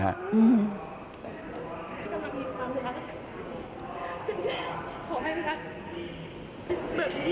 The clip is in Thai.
ขอให้ค่ะ